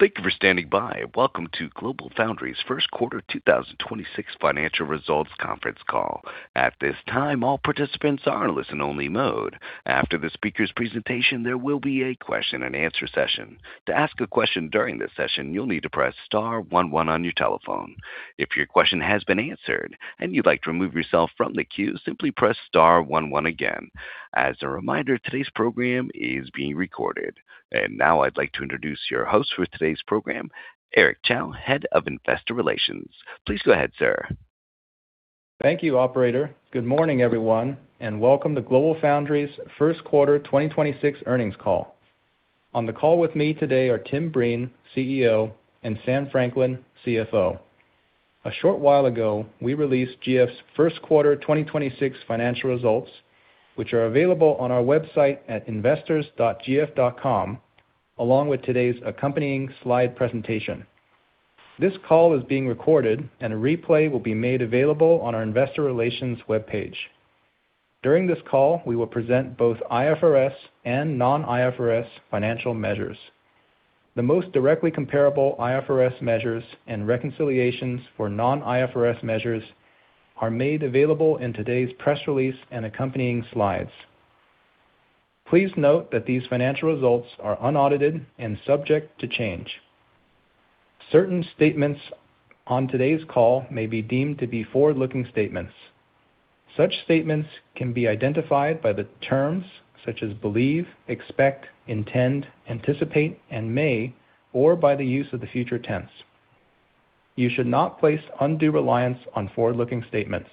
Thank you for standing by. Welcome to GlobalFoundries first quarter 2026 financial results conference call. At this time, all participants are in listen only mode. After the speaker's presentation, there will be a question and answer session. To ask a question during this session, you'll need to press star one one on your telephone. If your question has been answered and you'd like to remove yourself from the queue, simply press star one one again. As a reminder, today's program is being recorded. Now I'd like to introduce your host for today's program, Eric Chow, Head of Investor Relations. Please go ahead, sir. Thank you, operator. Good morning, everyone, and welcome to GlobalFoundries first quarter 2026 earnings call. On the call with me today are Tim Breen, CEO, and Sam Franklin, CFO. A short while ago, we released GF's first quarter 2026 financial results, which are available on our website at investors.gf.com, along with today's accompanying slide presentation. This call is being recorded and a replay will be made available on our investor relations webpage. During this call, we will present both IFRS and non-IFRS financial measures. The most directly comparable IFRS measures and reconciliations for non-IFRS measures are made available in today's press release and accompanying slides. Please note that these financial results are unaudited and subject to change. Certain statements on today's call may be deemed to be forward-looking statements. Such statements can be identified by the terms such as believe, expect, intend, anticipate and may, or by the use of the future tense. You should not place undue reliance on forward-looking statements.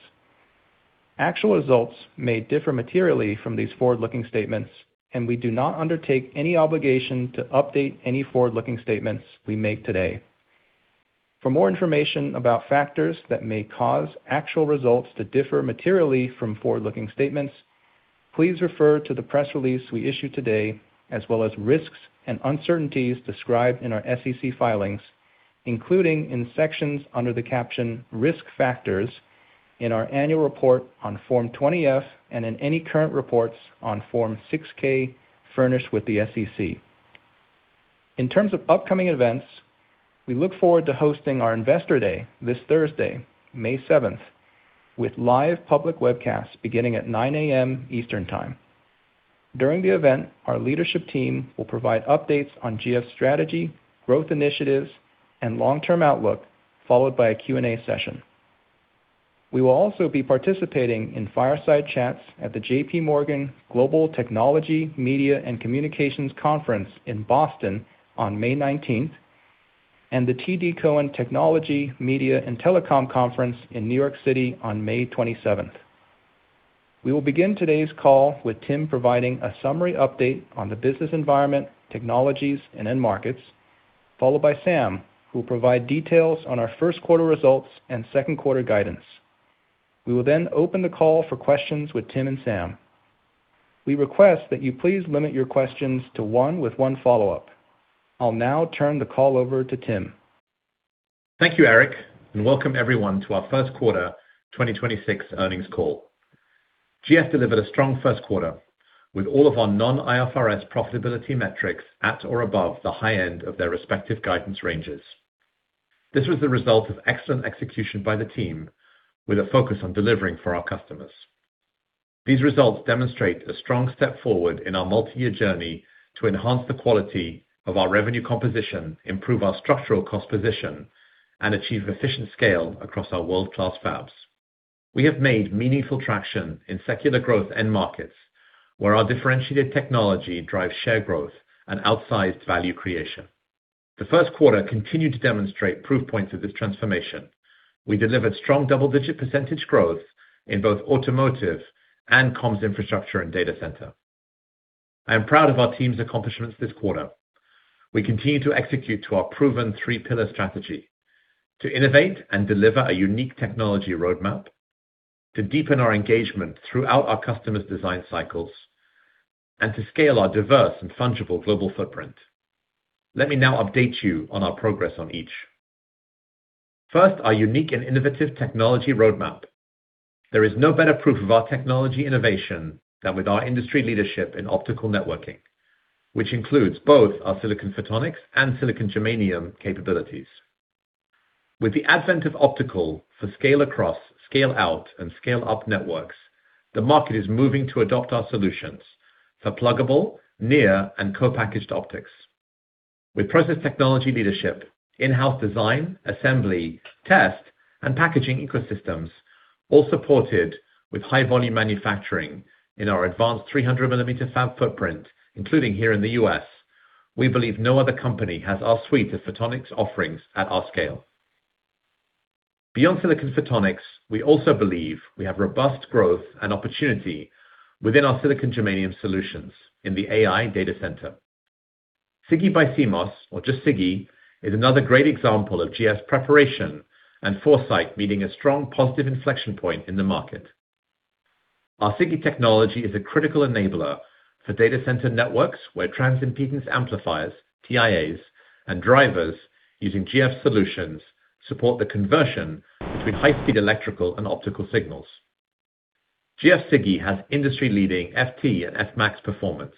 Actual results may differ materially from these forward-looking statements, and we do not undertake any obligation to update any forward-looking statements we make today. For more information about factors that may cause actual results to differ materially from forward-looking statements, please refer to the press release we issued today, as well as risks and uncertainties described in our SEC filings, including in sections under the caption Risk Factors in our annual report on Form 20-F and in any current reports on Form 6-K furnished with the SEC. In terms of upcoming events, we look forward to hosting our Investor Day this Thursday, May seventh, with live public webcasts beginning at 9:00 A.M. Eastern Time. During the event, our leadership team will provide updates on GF strategy, growth initiatives, and long-term outlook, followed by a Q&A session. We will also be participating in fireside chats at the JPMorgan Global Technology, Media and Communications Conference in Boston on May 19th, and the TD Cowen Technology, Media and Telecom Conference in New York City on May 27th. We will begin today's call with Tim providing a summary update on the business environment, technologies and end markets, followed by Sam, who will provide details on our first quarter results and second quarter guidance. We will then open the call for questions with Tim and Sam. We request that you please limit your questions to one with one follow-up. I'll now turn the call over to Tim. Thank you, Eric, and welcome everyone to our first quarter 2026 earnings call. GF delivered a strong first quarter with all of our non-IFRS profitability metrics at or above the high end of their respective guidance ranges. This was the result of excellent execution by the team with a focus on delivering for our customers. These results demonstrate a strong step forward in our multi-year journey to enhance the quality of our revenue composition, improve our structural cost position, and achieve efficient scale across our world-class fabs. We have made meaningful traction in secular growth end markets, where our differentiated technology drives share growth and outsized value creation. The first quarter continued to demonstrate proof points of this transformation. We delivered strong double-digit percentage growth in both automotive and comms infrastructure and data center. I am proud of our team's accomplishments this quarter. We continue to execute to our proven three pillar strategy: to innovate and deliver a unique technology roadmap, to deepen our engagement throughout our customers' design cycles, and to scale our diverse and fungible global footprint. Let me now update you on our progress on each. First, our unique and innovative technology roadmap. There is no better proof of our technology innovation than with our industry leadership in optical networking, which includes both our silicon photonics and silicon germanium capabilities. With the advent of optical for scale across, scale out, and scale up networks, the market is moving to adopt our solutions for pluggable, near and co-packaged optics. With process technology leadership, in-house design, assembly, test, and packaging ecosystems, all supported with high volume manufacturing in our advanced 300 millimeter fab footprint, including here in the U.S., we believe no other company has our suite of photonics offerings at our scale. Beyond silicon photonics, we also believe we have robust growth and opportunity within our silicon germanium solutions in the AI data center. SiGe BiCMOS or just SiGe, is another great example of GF's preparation and foresight meeting a strong positive inflection point in the market. Our SiGe technology is a critical enabler for data center networks where transimpedance amplifiers, TIAs, and drivers using GF solutions support the conversion between high-speed electrical and optical signals. GF SiGe has industry leading ft and fmax performance.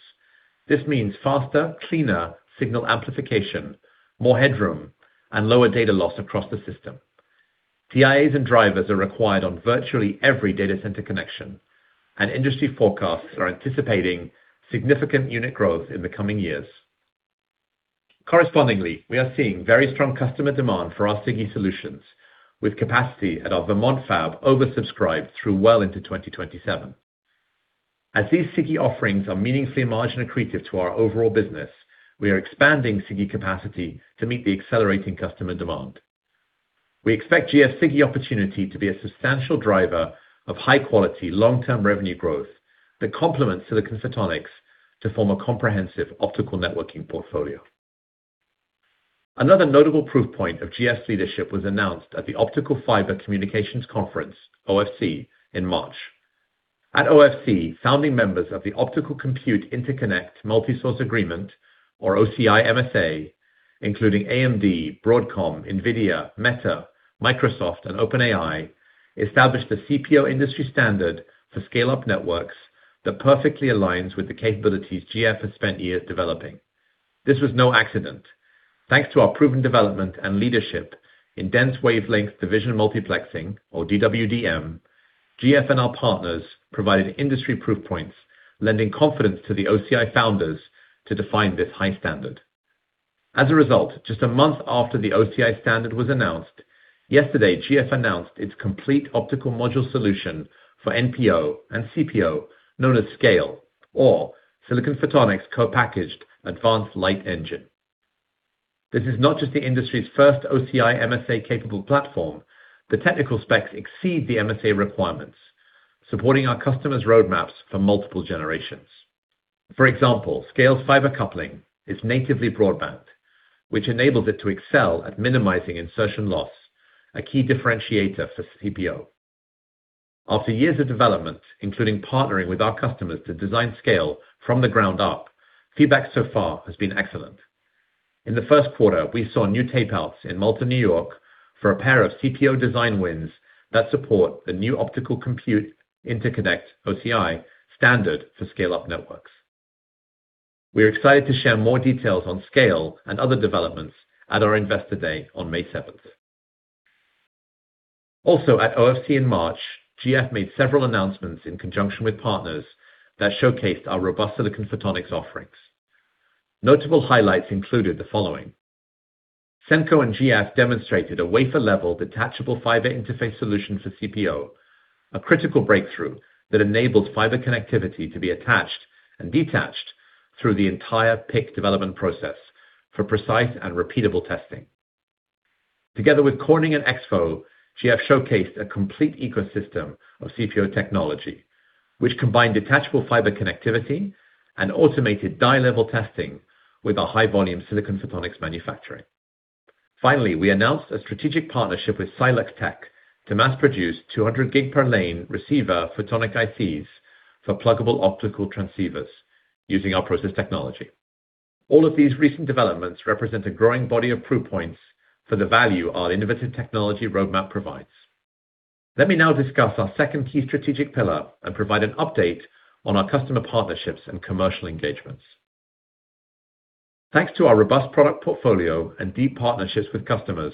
This means faster, cleaner signal amplification, more headroom, and lower data loss across the system. TIAs and drivers are required on virtually every data center connection, and industry forecasts are anticipating significant unit growth in the coming years. Correspondingly, we are seeing very strong customer demand for our SiGe solutions, with capacity at our Vermont fab oversubscribed through well into 2027. As these SiGe offerings are meaningfully margin accretive to our overall business, we are expanding SiGe capacity to meet the accelerating customer demand. We expect GF SiGe opportunity to be a substantial driver of high quality, long-term revenue growth that complements silicon photonics to form a comprehensive optical networking portfolio. Another notable proof point of GF's leadership was announced at the Optical Fiber Communications Conference, OFC, in March. At OFC, founding members of the Optical Compute Interconnect Multi-Source Agreement, or OCI MSA, including AMD, Broadcom, Nvidia, Meta, Microsoft, and OpenAI, established a CPO industry standard for scale-up networks that perfectly aligns with the capabilities GF has spent years developing. This was no accident. Thanks to our proven development and leadership in dense wavelength division multiplexing, or DWDM, GF and our partners provided industry proof points, lending confidence to the OCI founders to define this high standard. As a result, just a month after the OCI standard was announced, yesterday, GF announced its complete optical module solution for NPO and CPO, known as SCALE, or Silicon Photonics Co-packaged Advanced Light Engine. This is not just the industry's first OCI MSA-capable platform. The technical specs exceed the MSA requirements, supporting our customers' roadmaps for multiple generations. For example, SCALE fiber coupling is natively broadband, which enables it to excel at minimizing insertion loss, a key differentiator for CPO. After years of development, including partnering with our customers to design SCALE from the ground up, feedback so far has been excellent. In the first quarter, we saw new tape-outs in Malta, New York, for a pair of CPO design wins that support the new Optical Compute Interconnect, OCI, standard for scale-up networks. We are excited to share more details on SCALE and other developments at our Investor Day on May 7th. At OFC in March, GF made several announcements in conjunction with partners that showcased our robust silicon photonics offerings. Notable highlights included the following. SENKO and GF demonstrated a wafer-level detachable fiber interface solution for CPO, a critical breakthrough that enables fiber connectivity to be attached and detached through the entire PIC development process for precise and repeatable testing. Together with Corning and EXFO, GF showcased a complete ecosystem of CPO technology, which combined detachable fiber connectivity and automated die-level testing with our high-volume silicon photonics manufacturing. We announced a strategic partnership with Silic Tech to mass-produce 200 gig per lane receiver photonic ICs for pluggable optical transceivers using our process technology. All of these recent developments represent a growing body of proof points for the value our innovative technology roadmap provides. Let me now discuss our second key strategic pillar and provide an update on our customer partnerships and commercial engagements. Thanks to our robust product portfolio and deep partnerships with customers,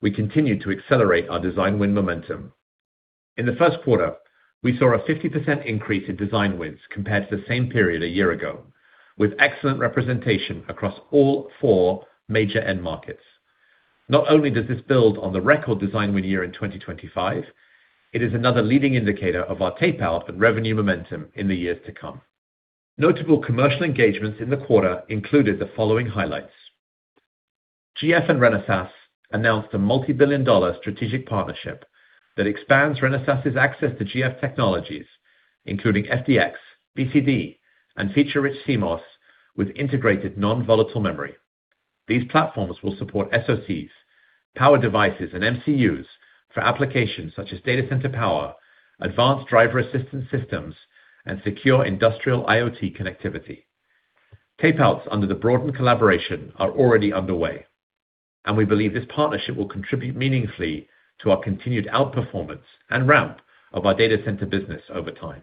we continue to accelerate our design win momentum. In the first quarter, we saw a 50% increase in design wins compared to the same period a year ago, with excellent representation across all four major end markets. Not only does this build on the record design win year in 2025, it is another leading indicator of our tape-out and revenue momentum in the years to come. Notable commercial engagements in the quarter included the following highlights. GF and Renesas announced a multi-billion dollar strategic partnership that expands Renesas' access to GF technologies, including FDX, BCD, and feature-rich CMOS with integrated non-volatile memory. These platforms will support SoCs, power devices, and MCUs for applications such as data center power, advanced driver assistance systems, and secure industrial IoT connectivity. Tape-outs under the broadened collaboration are already underway. We believe this partnership will contribute meaningfully to our continued outperformance and ramp of our data center business over time.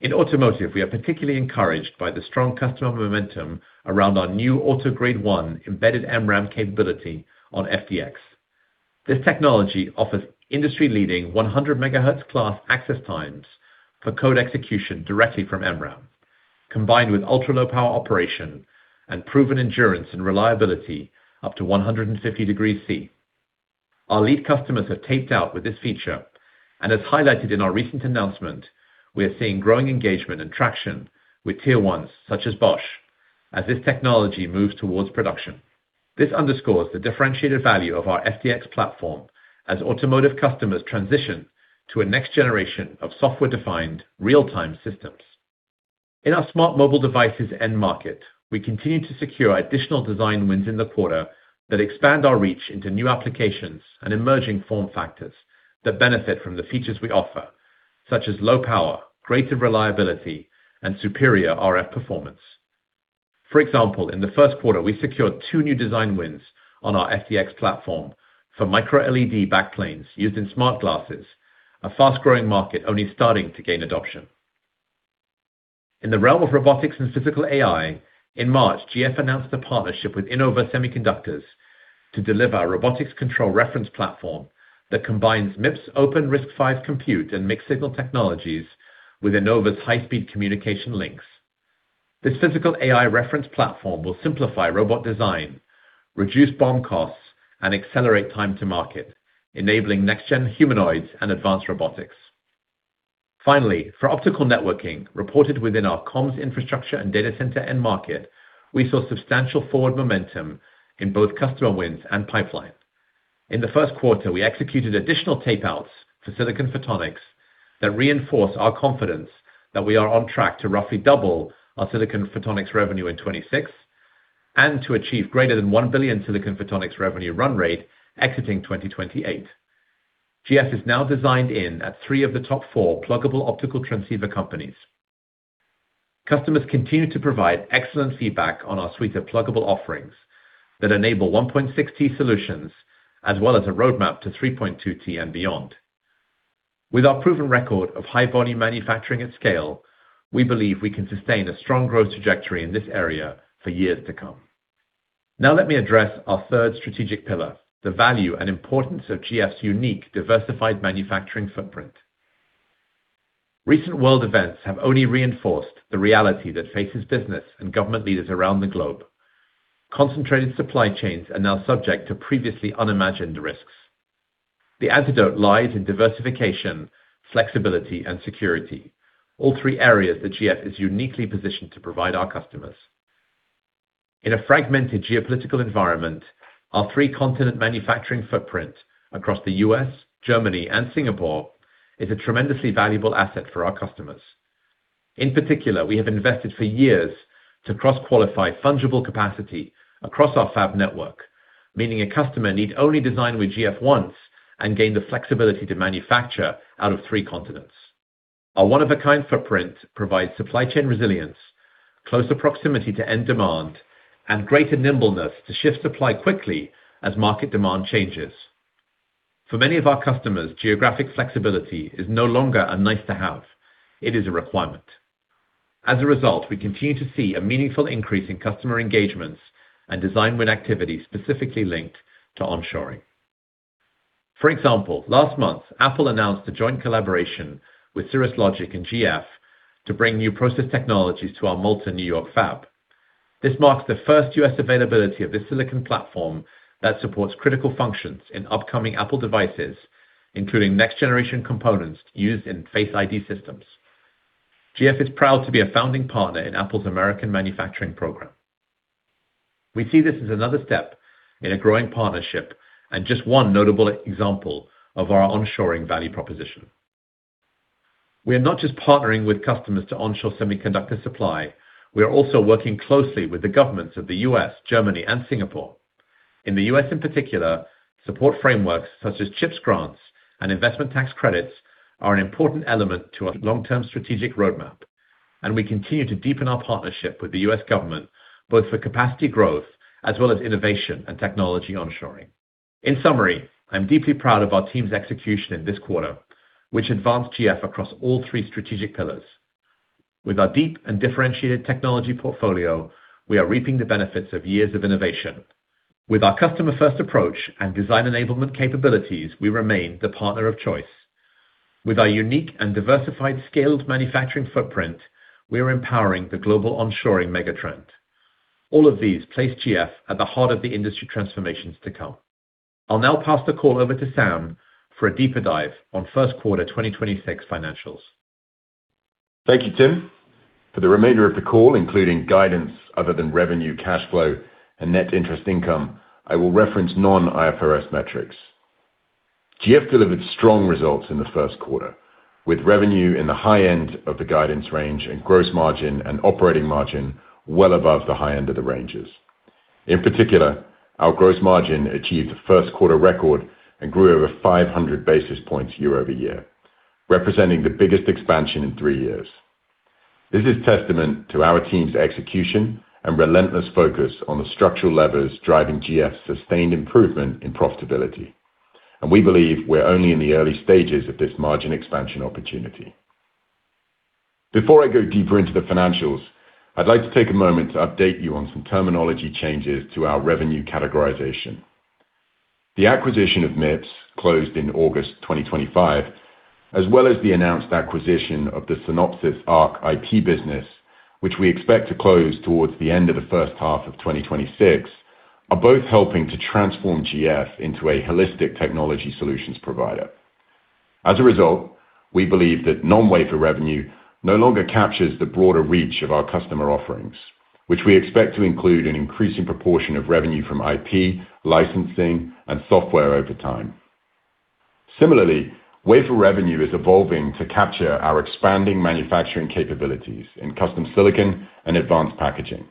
In automotive, we are particularly encouraged by the strong customer momentum around our new auto grade one embedded MRAM capability on FDX. This technology offers industry-leading 100 MHz class access times for code execution directly from MRAM, combined with ultra-low power operation and proven endurance and reliability up to 150 degrees C. Our lead customers have taped out with this feature, and as highlighted in our recent announcement, we are seeing growing engagement and traction with tier ones such as Bosch as this technology moves towards production. This underscores the differentiated value of our FDX platform as automotive customers transition to a next generation of software-defined real-time systems. In our smart mobile devices end market, we continue to secure additional design wins in the quarter that expand our reach into new applications and emerging form factors that benefit from the features we offer, such as low power, greater reliability, and superior RF performance. For example, in the first quarter, we secured two new design wins on our FDX platform for Micro-LED backplanes used in smart glasses, a fast-growing market only starting to gain adoption. In the realm of robotics and physical AI, in March, GF announced a partnership with Inova Semiconductors to deliver a robotics control reference platform that combines MIPS open RISC-V compute and mixed signal technologies with Inova's high-speed communication links. This physical AI reference platform will simplify robot design, reduce BOM costs, and accelerate time to market, enabling next gen humanoids and advanced robotics. Finally, for optical networking reported within our comms infrastructure and data center end market, we saw substantial forward momentum in both customer wins and pipeline. In the first quarter, we executed additional tape outs for silicon photonics that reinforce our confidence that we are on track to roughly double our silicon photonics revenue in 2026, and to achieve greater than $1 billion silicon photonics revenue run rate exiting 2028. GF is now designed in at three of the top four pluggable optical transceiver companies. Customers continue to provide excellent feedback on our suite of pluggable offerings that enable 1.6T solutions as well as a roadmap to 3.2T and beyond. With our proven record of high volume manufacturing at scale, we believe we can sustain a strong growth trajectory in this area for years to come. Now let me address our third strategic pillar, the value and importance of GFs' unique diversified manufacturing footprint. Recent world events have only reinforced the reality that faces business and government leaders around the globe. Concentrated supply chains are now subject to previously unimagined risks. The antidote lies in diversification, flexibility, and security. All three areas that GF is uniquely positioned to provide our customers. In a fragmented geopolitical environment, our three continent manufacturing footprint across the U.S., Germany and Singapore is a tremendously valuable asset for our customers. In particular, we have invested for years to cross-qualify fungible capacity across our fab network, meaning a customer need only design with GF once and gain the flexibility to manufacture out of three continents. Our one-of-a-kind footprint provides supply chain resilience, closer proximity to end demand, and greater nimbleness to shift supply quickly as market demand changes. For many of our customers, geographic flexibility is no longer a nice to have, it is a requirement. As a result, we continue to see a meaningful increase in customer engagements and design win activity specifically linked to onshoring. For example, last month, Apple announced a joint collaboration with Cirrus Logic and GF to bring new process technologies to our Malta, New York fab. This marks the first U.S. availability of this silicon platform that supports critical functions in upcoming Apple devices, including next generation components used in Face ID systems. GF is proud to be a founding partner in Apple's American Manufacturing Program. We see this as another step in a growing partnership and just one notable example of our onshoring value proposition. We are not just partnering with customers to onshore semiconductor supply, we are also working closely with the governments of the U.S., Germany and Singapore. In the U.S. in particular, support frameworks such as CHIPS grants and investment tax credits are an important element to our long-term strategic roadmap, and we continue to deepen our partnership with the U.S. government, both for capacity growth as well as innovation and technology onshoring. In summary, I'm deeply proud of our team's execution in this quarter, which advanced GF across all three strategic pillars. With our deep and differentiated technology portfolio, we are reaping the benefits of years of innovation. With our customer-first approach and design enablement capabilities, we remain the partner of choice. With our unique and diversified scaled manufacturing footprint, we are empowering the global onshoring mega trend. All of these place GF at the heart of the industry transformations to come. I'll now pass the call over to Sam for a deeper dive on first quarter 2026 financials. Thank you, Tim. For the remainder of the call, including guidance other than revenue, cash flow, and net interest income, I will reference non-IFRS metrics. GF delivered strong results in the first quarter, with revenue in the high end of the guidance range and gross margin and operating margin well above the high end of the ranges. In particular, our gross margin achieved a first quarter record and grew over 500 basis points year-over-year, representing the biggest expansion in three years. This is testament to our team's execution and relentless focus on the structural levers driving GF's sustained improvement in profitability. We believe we're only in the early stages of this margin expansion opportunity. Before I go deeper into the financials, I'd like to take a moment to update you on some terminology changes to our revenue categorization. The acquisition of MIPS closed in August 2025, as well as the announced acquisition of the Synopsys ARC IP business, which we expect to close towards the end of the first half of 2026, are both helping to transform GF into a holistic technology solutions provider. As a result, we believe that non-wafer revenue no longer captures the broader reach of our customer offerings, which we expect to include an increasing proportion of revenue from IP, licensing, and software over time. Similarly, wafer revenue is evolving to capture our expanding manufacturing capabilities in custom silicon and advanced packaging,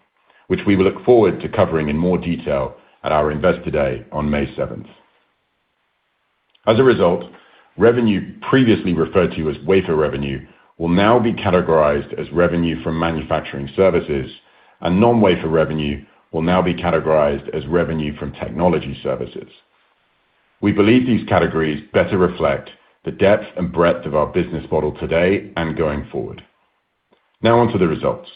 which we will look forward to covering in more detail at our Investor Day on May 7th. As a result, revenue previously referred to as wafer revenue will now be categorized as revenue from manufacturing services, and non-wafer revenue will now be categorized as revenue from technology services. We believe these categories better reflect the depth and breadth of our business model today and going forward. Onto the results.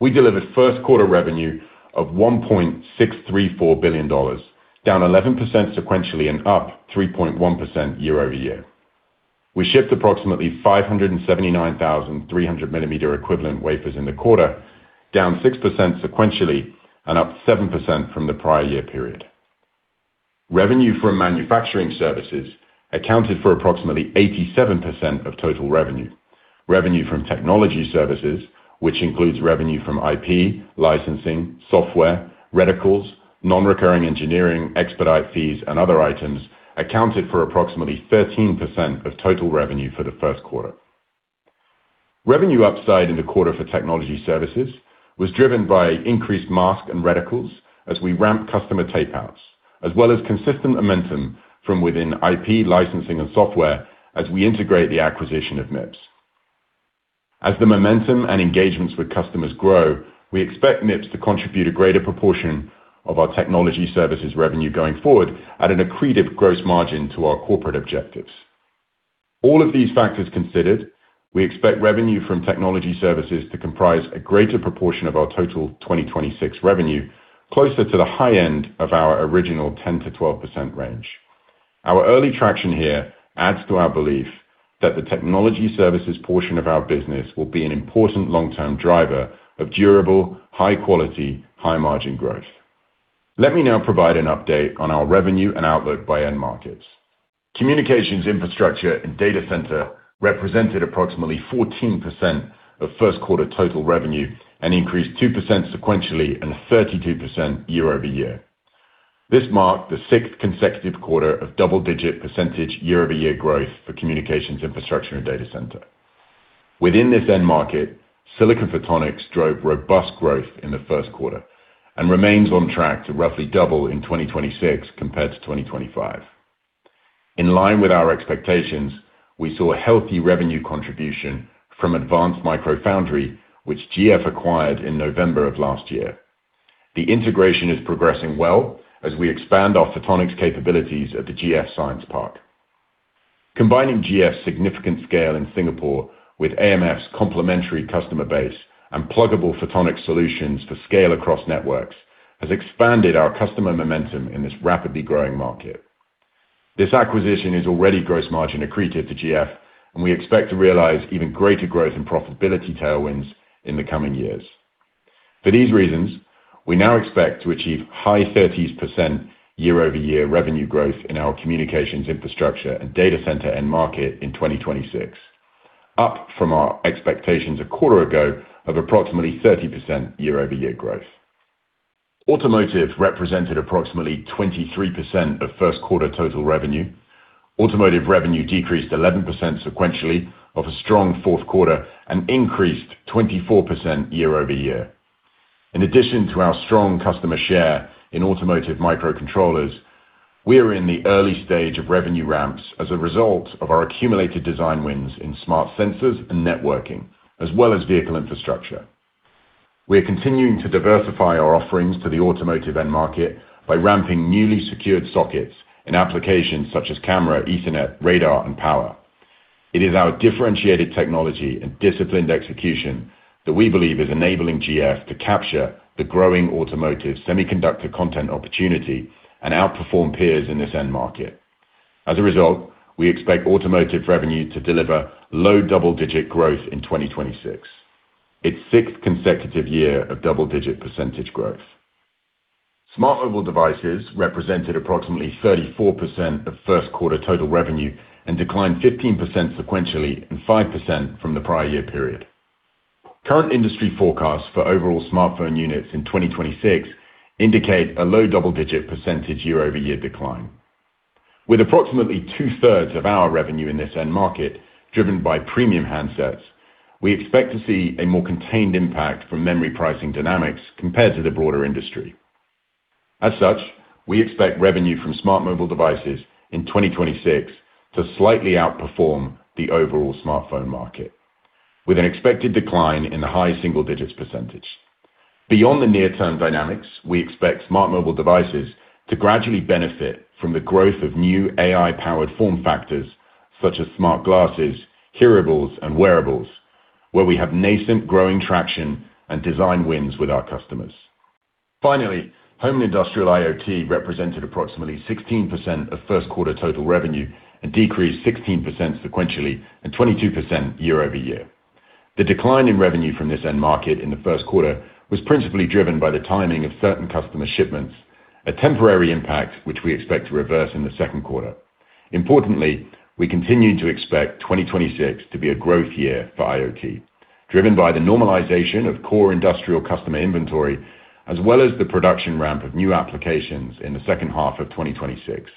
We delivered first quarter revenue of $1.634 billion, down 11% sequentially and up 3.1% year-over-year. We shipped approximately 579,300 millimeter equivalent wafers in the quarter, down 6% sequentially and up 7% from the prior year period. Revenue from manufacturing services accounted for approximately 87% of total revenue. Revenue from technology services, which includes revenue from IP, licensing, software, reticles, non-recurring engineering, expedite fees and other items accounted for approximately 13% of total revenue for the first quarter. Revenue upside in the quarter for technology services was driven by increased mask and reticles as we ramp customer tape outs, as well as consistent momentum from within IP licensing and software as we integrate the acquisition of MIPS. As the momentum and engagements with customers grow, we expect MIPS to contribute a greater proportion of our technology services revenue going forward at an accretive gross margin to our corporate objectives. All of these factors considered, we expect revenue from technology services to comprise a greater proportion of our total 2026 revenue closer to the high end of our original 10%-12% range. Our early traction here adds to our belief that the technology services portion of our business will be an important long-term driver of durable, high quality, high margin growth. Let me now provide an update on our revenue and outlook by end markets. Communications infrastructure and data center represented approximately 14% of first quarter total revenue and increased 2% sequentially and 32% year-over-year. This marked the 6th consecutive quarter of double-digit percentage year-over-year growth for communications infrastructure and data center. Within this end market, silicon photonics drove robust growth in the first quarter and remains on track to roughly double in 2026 compared to 2025. In line with our expectations, we saw a healthy revenue contribution from Advanced Micro Foundry, which GF acquired in November of last year. The integration is progressing well as we expand our photonics capabilities at the GF Science Park. Combining GF's significant scale in Singapore with AMF's complementary customer base and pluggable photonic solutions for SCALE across networks has expanded our customer momentum in this rapidly growing market. This acquisition is already gross margin accretive to GF, and we expect to realize even greater growth and profitability tailwinds in the coming years. For these reasons, we now expect to achieve high 30s% year-over-year revenue growth in our communications infrastructure and data center end market in 2026, up from our expectations a quarter ago of approximately 30% year-over-year growth. Automotive represented approximately 23% of first quarter total revenue. Automotive revenue decreased 11% sequentially of a strong fourth quarter and increased 24% year-over-year. In addition to our strong customer share in automotive microcontrollers, we are in the early stage of revenue ramps as a result of our accumulated design wins in smart sensors and networking, as well as vehicle infrastructure. We are continuing to diversify our offerings to the automotive end market by ramping newly secured sockets in applications such as camera, Ethernet, radar, and power. It is our differentiated technology and disciplined execution that we believe is enabling GF to capture the growing automotive semiconductor content opportunity and outperform peers in this end market. As a result, we expect automotive revenue to deliver low double-digit growth in 2026, its sixth consecutive year of double-digit % growth. Smart mobile devices represented approximately 34% of first quarter total revenue and declined 15% sequentially and 5% from the prior year period. Current industry forecasts for overall smartphone units in 2026 indicate a low double-digit percentage year-over-year decline. With approximately 2/3 of our revenue in this end market driven by premium handsets, we expect to see a more contained impact from memory pricing dynamics compared to the broader industry. As such, we expect revenue from smart mobile devices in 2026 to slightly outperform the overall smartphone market with an expected decline in the high single digits percentage. Beyond the near-term dynamics, we expect smart mobile devices to gradually benefit from the growth of new AI-powered form factors such as smart glasses, hearables, and wearables, where we have nascent growing traction and design wins with our customers. Home and industrial IoT represented approximately 16% of first quarter total revenue and decreased 16% sequentially and 22% year-over-year. The decline in revenue from this end market in the first quarter was principally driven by the timing of certain customer shipments, a temporary impact which we expect to reverse in the second quarter. Importantly, we continue to expect 2026 to be a growth year for IoT, driven by the normalization of core industrial customer inventory as well as the production ramp of new applications in the second half of 2026,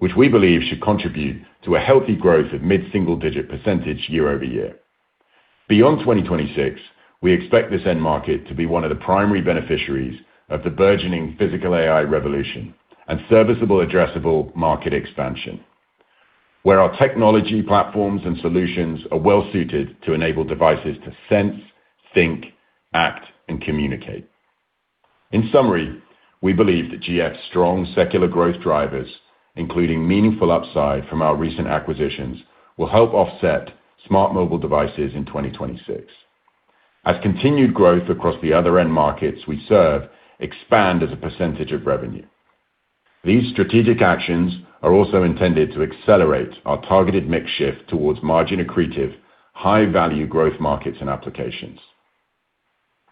which we believe should contribute to a healthy growth of mid single-digit percentage year-over-year. Beyond 2026, we expect this end market to be one of the primary beneficiaries of the burgeoning physical AI revolution and serviceable addressable market expansion, where our technology platforms and solutions are well-suited to enable devices to sense, think, act, and communicate. In summary, we believe that GF's strong secular growth drivers, including meaningful upside from our recent acquisitions, will help offset smart mobile devices in 2026. As continued growth across the other end markets we serve expand as a percentage of revenue. These strategic actions are also intended to accelerate our targeted mix shift towards margin-accretive, high-value growth markets and applications.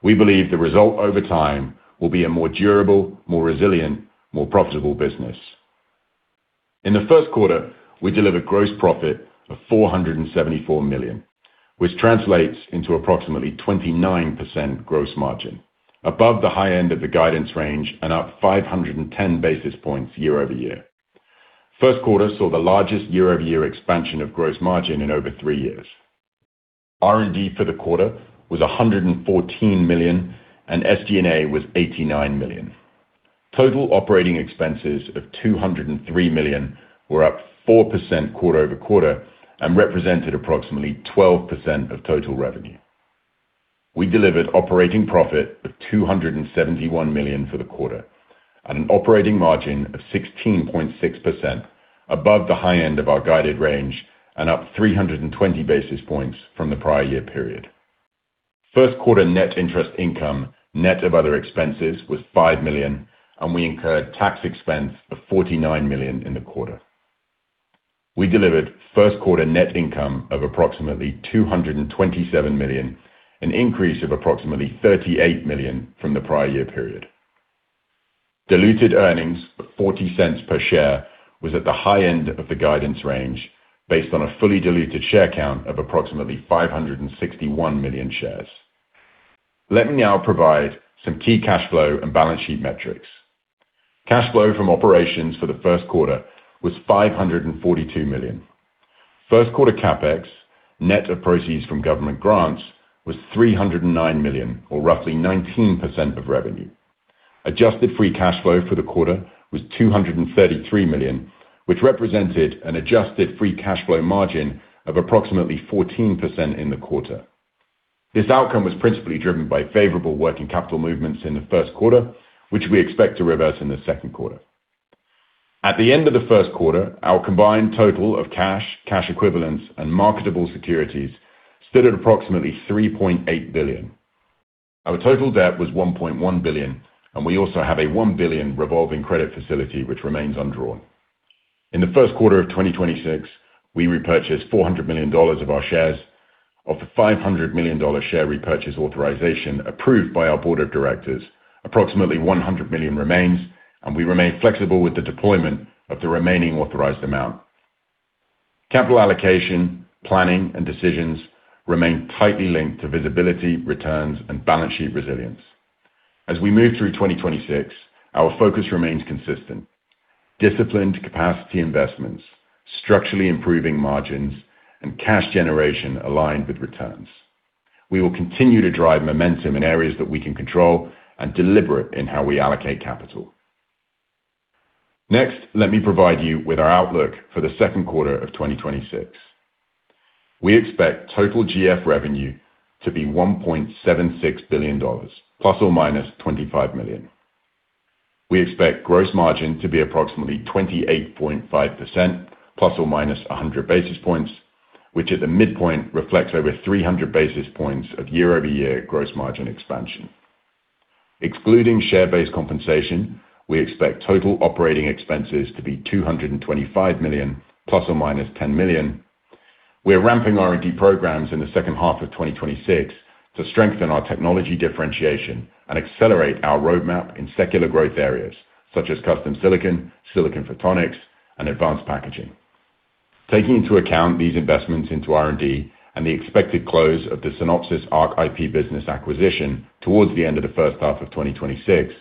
We believe the result over time will be a more durable, more resilient, more profitable business. In the first quarter, we delivered gross profit of $474 million, which translates into approximately 29% gross margin, above the high end of the guidance range and up 510 basis points year-over-year. First quarter saw the largest year-over-year expansion of gross margin in over three years. R&D for the quarter was $114 million, and SG&A was $89 million. Total operating expenses of $203 million were up 4% quarter-over-quarter and represented approximately 12% of total revenue. We delivered operating profit of $271 million for the quarter at an operating margin of 16.6% above the high end of our guided range and up 320 basis points from the prior year period. First quarter net interest income, net of other expenses, was $5 million, and we incurred tax expense of $49 million in the quarter. We delivered first quarter net income of approximately $227 million, an increase of approximately $38 million from the prior year period. Diluted earnings of $0.40 per share was at the high end of the guidance range based on a fully diluted share count of approximately 561 million shares. Let me now provide some key cash flow and balance sheet metrics. Cash flow from operations for the first quarter was $542 million. First quarter CapEx, net of proceeds from government grants, was $309 million or roughly 19% of revenue. Adjusted free cash flow for the quarter was $233 million, which represented an adjusted free cash flow margin of approximately 14% in the quarter. This outcome was principally driven by favorable working capital movements in the first quarter, which we expect to reverse in the second quarter. At the end of the first quarter, our combined total of cash equivalents, and marketable securities stood at approximately $3.8 billion. Our total debt was $1.1 billion, and we also have a $1 billion revolving credit facility which remains undrawn. In the first quarter of 2026, we repurchased $400 million of our shares. Of the $500 million share repurchase authorization approved by our board of directors, approximately $100 million remains, and we remain flexible with the deployment of the remaining authorized amount. Capital allocation, planning, and decisions remain tightly linked to visibility, returns, and balance sheet resilience. As we move through 2026, our focus remains consistent. Disciplined capacity investments, structurally improving margins, and cash generation aligned with returns. We will continue to drive momentum in areas that we can control and deliberate in how we allocate capital. Next, let me provide you with our outlook for the second quarter of 2026. We expect total GF revenue to be $1.76 billion ±$20 million. We expect gross margin to be approximately 28.5% ±100 basis points, which at the midpoint reflects over 300 basis points of year-over-year gross margin expansion. Excluding share-based compensation, we expect total operating expenses to be $225 million ± $10 million. We are ramping R&D programs in the second half of 2026 to strengthen our technology differentiation and accelerate our roadmap in secular growth areas such as custom silicon photonics, and advanced packaging. Taking into account these investments into R&D and the expected close of the Synopsys ARC IP business acquisition towards the end of the first half of 2026,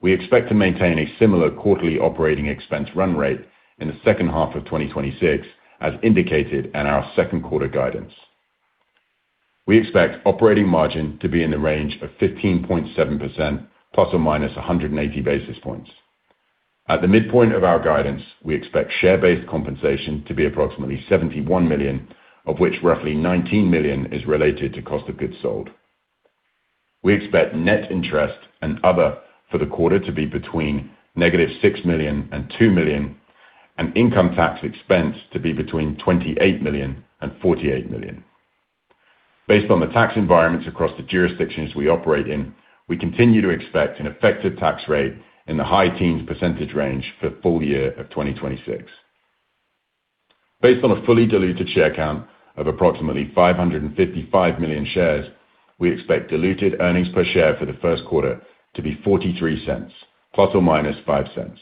we expect to maintain a similar quarterly operating expense run rate in the second half of 2026 as indicated in our second quarter guidance. We expect operating margin to be in the range of 15.7% ±180 basis points. At the midpoint of our guidance, we expect share-based compensation to be approximately $71 million, of which roughly $19 million is related to cost of goods sold. We expect net interest and other for the quarter to be between -$6 million and $2 million and income tax expense to be between $28 million and $48 million. Based on the tax environments across the jurisdictions we operate in, we continue to expect an effective tax rate in the high teens percentage range for full year of 2026. Based on a fully diluted share count of approximately 555 million shares, we expect diluted earnings per share for the first quarter to be $0.43 ±$0.05.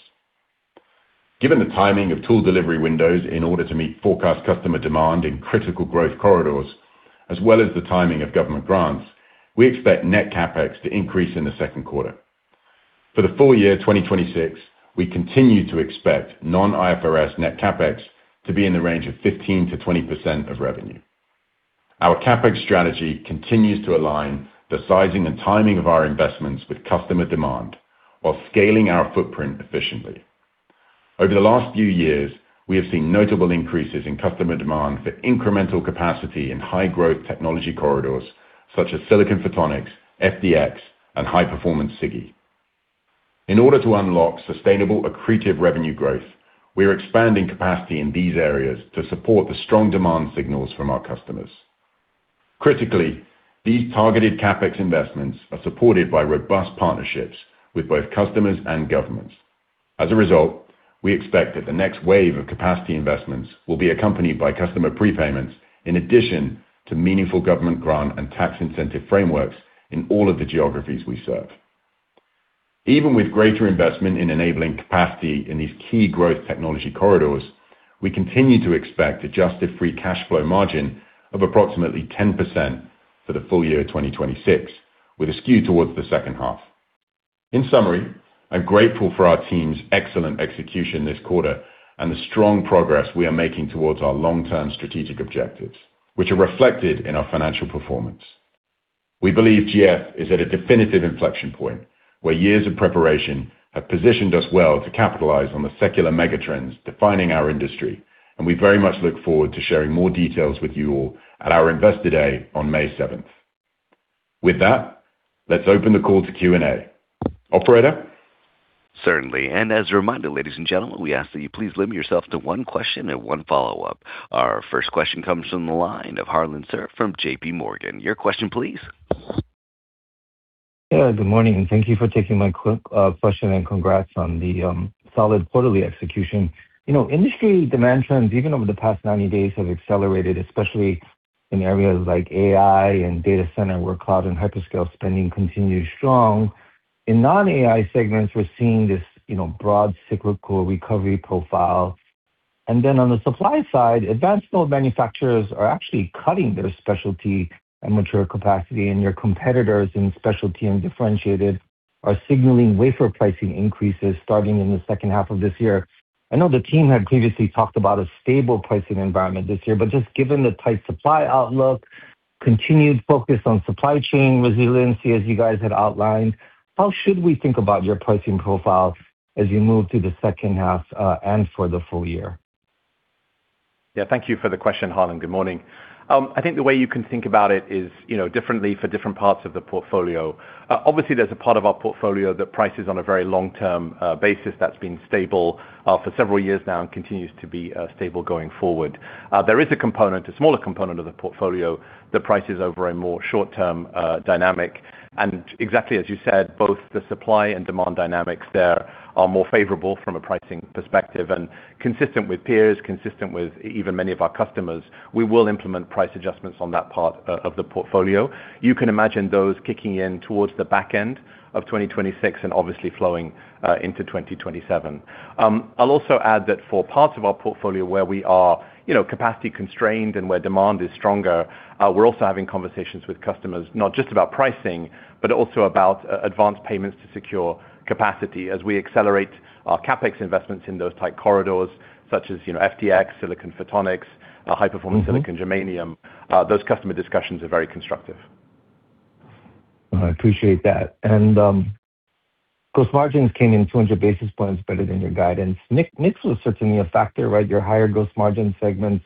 Given the timing of tool delivery windows in order to meet forecast customer demand in critical growth corridors, as well as the timing of government grants, we expect net CapEx to increase in the second quarter. For the full year 2026, we continue to expect non-IFRS net CapEx to be in the range of 15%-20% of revenue. Our CapEx strategy continues to align the sizing and timing of our investments with customer demand while scaling our footprint efficiently. Over the last few years, we have seen notable increases in customer demand for incremental capacity in high growth technology corridors such as silicon photonics, FDX and high performance SiGe. In order to unlock sustainable accretive revenue growth, we are expanding capacity in these areas to support the strong demand signals from our customers. Critically, these targeted CapEx investments are supported by robust partnerships with both customers and governments. As a result, we expect that the next wave of capacity investments will be accompanied by customer prepayments in addition to meaningful government grant and tax incentive frameworks in all of the geographies we serve. Even with greater investment in enabling capacity in these key growth technology corridors, we continue to expect adjusted free cash flow margin of approximately 10% for the full year 2026, with a skew towards the second half. In summary, I'm grateful for our team's excellent execution this quarter and the strong progress we are making towards our long-term strategic objectives, which are reflected in our financial performance. We believe GF is at a definitive inflection point, where years of preparation have positioned us well to capitalize on the secular mega trends defining our industry, and we very much look forward to sharing more details with you all at our Investor Day on May 7th. With that, let's open the call to Q&A. Operator? Certainly. As a reminder, ladies and gentlemen, we ask that you please limit yourself to one question and one follow-up. Our first question comes from the line of Harlan Sur from JPMorgan. Your question, please. Yeah, good morning, and thank you for taking my question and congrats on the solid quarterly execution. You know, industry demand trends, even over the past 90 days, have accelerated, especially in areas like AI and data center, where cloud and hyperscale spending continues strong. In non-AI segments, we're seeing this, you know, broad cyclical recovery profile. On the supply side, advanced flow manufacturers are actually cutting their specialty and mature capacity, and your competitors in specialty and differentiated are signaling wafer pricing increases starting in the second half of this year. I know the team had previously talked about a stable pricing environment this year, but just given the tight supply outlook, continued focus on supply chain resiliency as you guys had outlined, how should we think about your pricing profile as you move through the second half and for the full year? Yeah, thank you for the question, Harlan. Good morning. I think the way you can think about it is, you know, differently for different parts of the portfolio. Obviously, there's a part of our portfolio that prices on a very long-term basis that's been stable for several years now and continues to be stable going forward. There is a component, a smaller component of the portfolio that prices over a more short-term dynamic. Exactly as you said, both the supply and demand dynamics there are more favorable from a pricing perspective. Consistent with peers, consistent with even many of our customers, we will implement price adjustments on that part of the portfolio. You can imagine those kicking in towards the back end of 2026 and obviously flowing into 2027. I'll also add that for parts of our portfolio where we are, you know, capacity constrained and where demand is stronger, we're also having conversations with customers, not just about pricing, but also about advanced payments to secure capacity as we accelerate our CapEx investments in those tight corridors, such as, you know, FDX, silicon photonics, high-performance silicon germanium. Those customer discussions are very constructive. I appreciate that. Gross margins came in 200 basis points better than your guidance. Mix was certainly a factor, right? Your higher gross margin segments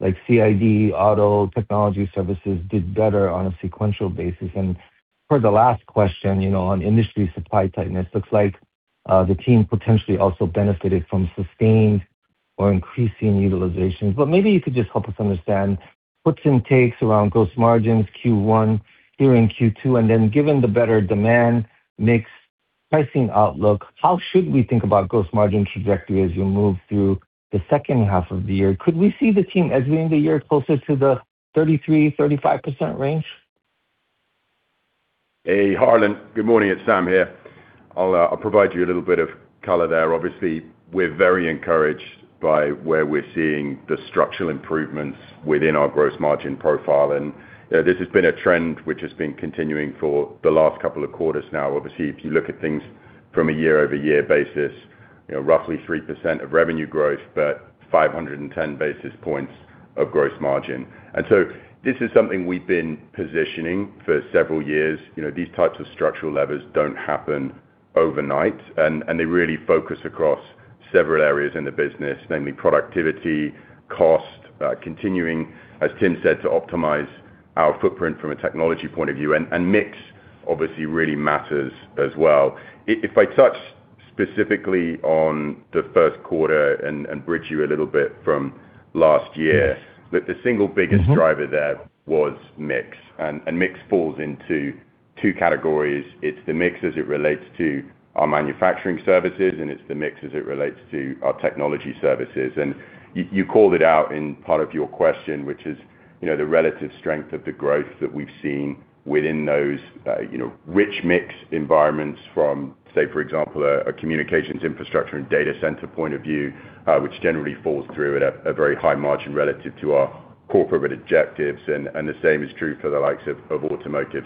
like CID, auto, technology services did better on a sequential basis. For the last question, you know, on industry supply tightness, looks like the team potentially also benefited from sustained or increasing utilization. Maybe you could just help us understand puts and takes around gross margins Q1 here in Q2. Given the better demand mix pricing outlook, how should we think about gross margin trajectory as you move through the second half of the year? Could we see the team as being the year closer to the 33%-35% range? Hey, Harlan. Good morning. It's Sam here. I'll provide you a little bit of color there. Obviously, we're very encouraged by where we're seeing the structural improvements within our gross margin profile. This has been a trend which has been continuing for the last couple of quarters now. Obviously, if you look at things from a year-over-year basis, you know, roughly 3% of revenue growth, but 510 basis points of gross margin. This is something we've been positioning for several years. You know, these types of structural levers don't happen overnight, and they really focus across several areas in the business, namely productivity, cost, continuing, as Tim said, to optimize our footprint from a technology point of view. Mix obviously really matters as well. If I touch specifically on the first quarter and bridge you a little bit from last year. The single biggest driver there was mix, and mix falls into. Two categories. It's the mix as it relates to our manufacturing services, and it's the mix as it relates to our technology services. You called it out in part of your question, which is, you know, the relative strength of the growth that we've seen within those, you know, rich mix environments from, say, for example, a communications infrastructure and data center point of view, which generally falls through at a very high margin relative to our corporate objectives. The same is true for the likes of automotive.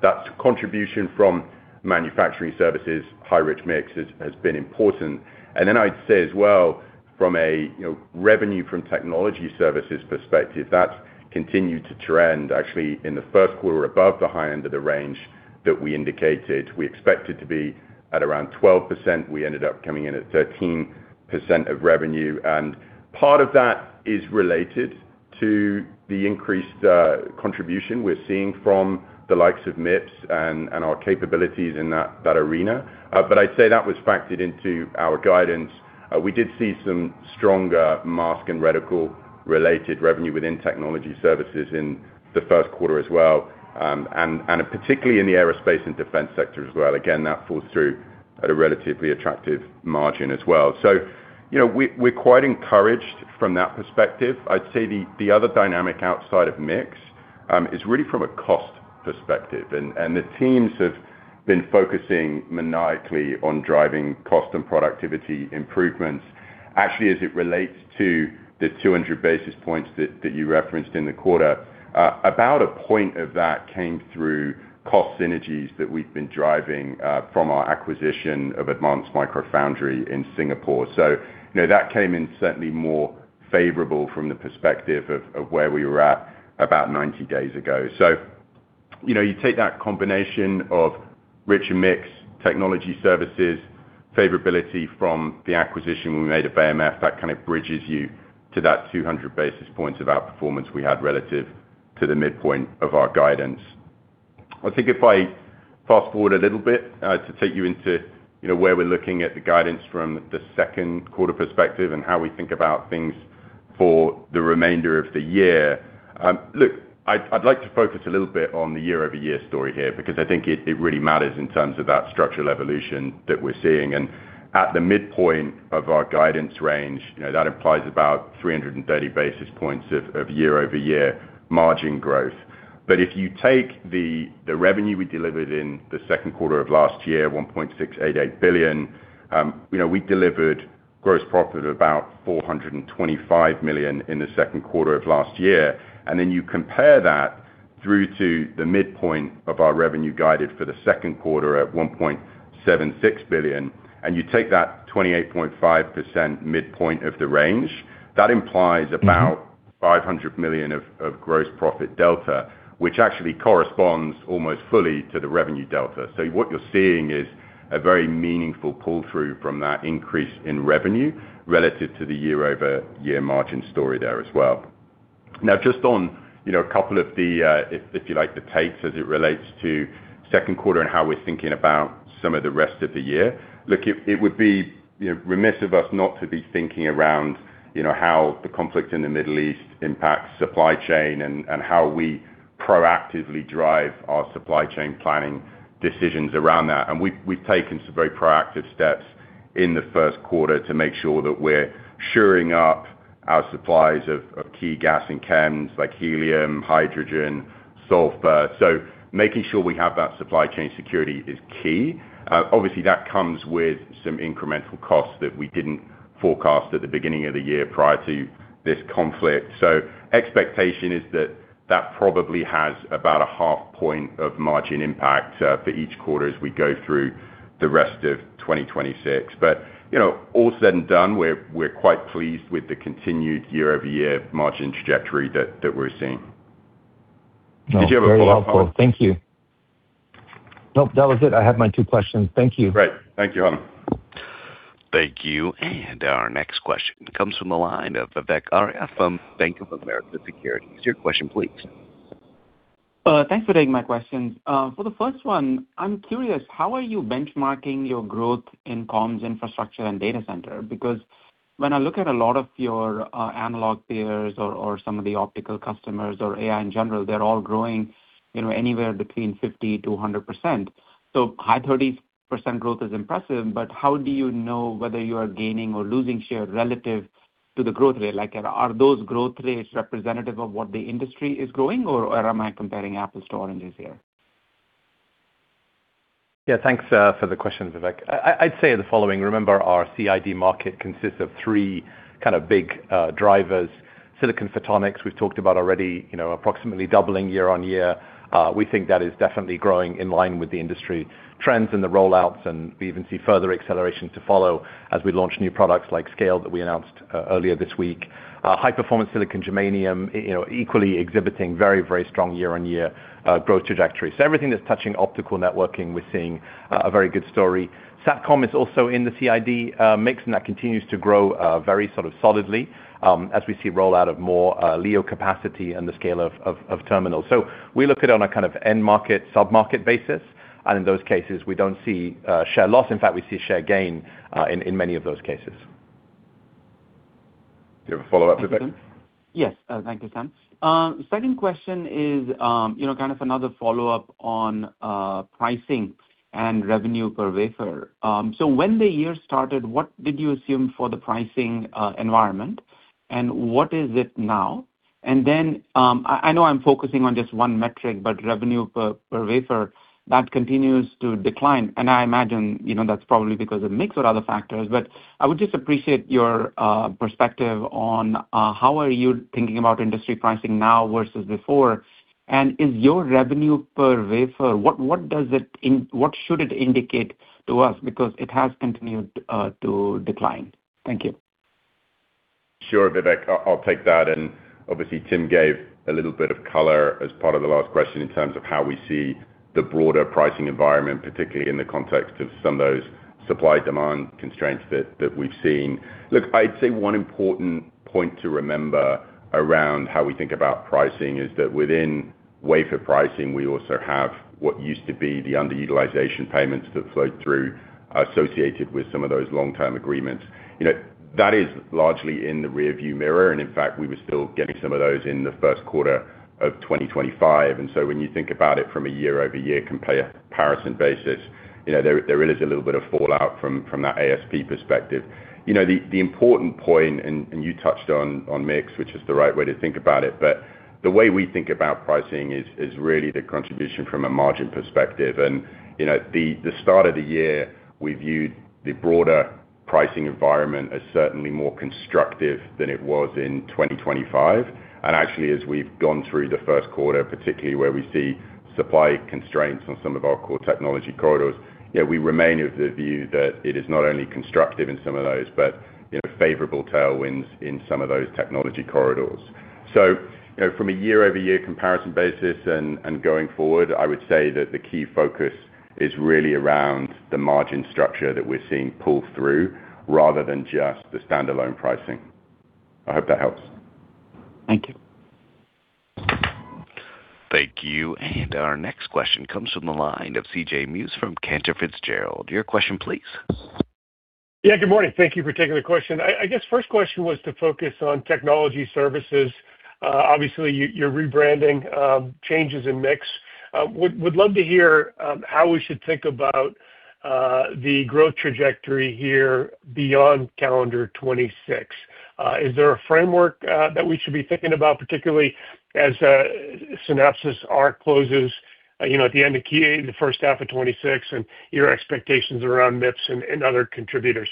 That's contribution from manufacturing services. High rich mix has been important. I'd say as well from a, you know, revenue from technology services perspective, that's continued to trend actually in the first quarter above the high end of the range that we indicated. We expect it to be at around 12%. We ended up coming in at 13% of revenue. Part of that is related to the increased contribution we're seeing from the likes of MIPS and our capabilities in that arena. I'd say that was factored into our guidance. We did see some stronger mask and reticle related revenue within technology services in the first quarter as well. Particularly in the aerospace and defense sector as well. Again, that falls through at a relatively attractive margin as well. You know, we're quite encouraged from that perspective. I'd say the other dynamic outside of mix is really from a cost perspective. The teams have been focusing maniacally on driving cost and productivity improvements. As it relates to the 200 basis points that you referenced in the quarter, about 1 point of that came through cost synergies that we've been driving from our acquisition of Advanced Micro Foundry in Singapore. You know, that came in certainly more favorable from the perspective of where we were at about 90 days ago. You know, you take that combination of richer mix technology services, favorability from the acquisition we made of AMF, that kind of bridges you to that 200 basis points of outperformance we had relative to the midpoint of our guidance. I think if I fast-forward a little bit to take you into, you know, where we're looking at the guidance from the second quarter perspective and how we think about things for the remainder of the year. Look, I'd like to focus a little bit on the year-over-year story here, because I think it really matters in terms of that structural evolution that we're seeing. At the midpoint of our guidance range, you know, that implies about 330 basis points of year-over-year margin growth. If you take the revenue we delivered in the second quarter of last year, $1.688 billion, you know, we delivered gross profit of about $425 million in the second quarter of last year. You compare that through to the midpoint of our revenue guided for the second quarter at $1.76 billion. You take that 28.5% midpoint of the range, that implies about $500 million of gross profit delta, which actually corresponds almost fully to the revenue delta. What you're seeing is a very meaningful pull-through from that increase in revenue relative to the year-over-year margin story there as well. Just on, you know, a couple of the, if you like, the takes as it relates to second quarter and how we're thinking about some of the rest of the year. Look, it would be, you know, remiss of us not to be thinking around, you know, how the conflict in the Middle East impacts supply chain and how we proactively drive our supply chain planning decisions around that. We've taken some very proactive steps in the first quarter to make sure that we're shoring up our supplies of key gas and chems like helium, hydrogen, sulfur. Making sure we have that supply chain security is key. Obviously that comes with some incremental costs that we didn't forecast at the beginning of the year prior to this conflict. Expectation is that that probably has about a half point of margin impact for each quarter as we go through the rest of 2026. You know, all said and done, we're quite pleased with the continued year-over-year margin trajectory that we're seeing. Did you have a follow-up, Harlan? No, very helpful. Thank you. Nope, that was it. I have my two questions. Thank you. Great. Thank you, Harlan. Thank you. Our next question comes from the line of Vivek Arya from Bank of America Securities. Your question please. Thanks for taking my question. For the first one, I'm curious, how are you benchmarking your growth in comms infrastructure and data center? When I look at a lot of your analog peers or some of the optical customers or AI in general, they're all growing, you know, anywhere between 50%-100%. High 30% growth is impressive, but how do you know whether you are gaining or losing share relative to the growth rate? Are those growth rates representative of what the industry is growing, or am I comparing apples to oranges here? Yeah, thanks for the question, Vivek. I'd say the following. Remember, our CID market consists of three kind of big drivers. Silicon photonics we've talked about already, you know, approximately doubling year-on-year. We think that is definitely growing in line with the industry trends and the rollouts, and we even see further acceleration to follow as we launch new products like SCALE that we announced earlier this week. High-performance silicon germanium, you know, equally exhibiting very strong year-on-year growth trajectory. Everything that's touching optical networking, we're seeing a very good story. Satcom is also in the CID mix, and that continues to grow very sort of solidly as we see rollout of more LEO capacity and the scale of terminals. We look at it on a kind of end market, sub-market basis, and in those cases, we don't see share loss. In fact, we see share gain, in many of those cases. Do you have a follow-up, Vivek? Yes. Thank you, Sam. Second question is, you know, kind of another follow-up on pricing and revenue per wafer. When the year started, what did you assume for the pricing environment, and what is it now? I know I'm focusing on just one metric, but revenue per wafer, that continues to decline, and I imagine, you know, that's probably because of mix or other factors. I would just appreciate your perspective on how are you thinking about industry pricing now versus before, and is your revenue per wafer what should it indicate to us? Because it has continued to decline. Thank you. Sure, Vivek. I'll take that. Obviously Tim gave a little bit of color as part of the last question in terms of how we see the broader pricing environment, particularly in the context of some of those supply-demand constraints that we've seen. Look, I'd say one important point to remember around how we think about pricing is that within wafer pricing, we also have what used to be the underutilization payments that flowed through, associated with some of those long-term agreements. You know, that is largely in the rearview mirror, and in fact, we were still getting some of those in the first quarter of 2025. When you think about it from a year-over-year comparison basis, you know, there is a little bit of fallout from that ASP perspective. You know, the important point, and you touched on mix, which is the right way to think about it, but the way we think about pricing is really the contribution from a margin perspective. You know, the start of the year, we viewed the broader pricing environment as certainly more constructive than it was in 2025. Actually, as we've gone through the first quarter, particularly where we see supply constraints on some of our core technology corridors, you know, we remain of the view that it is not only constructive in some of those, favorable tailwinds in some of those technology corridors. You know, from a year-over-year comparison basis and going forward, I would say that the key focus is really around the margin structure that we're seeing pull through rather than just the standalone pricing. I hope that helps. Thank you. Thank you. Our next question comes from the line of CJ Muse from Cantor Fitzgerald. Your question please. Yeah, good morning. Thank you for taking the question. I guess first question was to focus on technology services. Obviously you're rebranding, changes in mix. Would love to hear how we should think about the growth trajectory here beyond calendar 2026. Is there a framework that we should be thinking about, particularly as Synopsys ARC closes, you know, at the end of the first half of 2026 and your expectations around MIPS and other contributors?